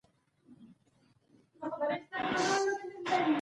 ښایي د هغو نارو شمېر سلګونو ته ورسیږي.